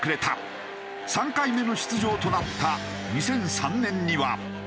３回目の出場となった２００３年には。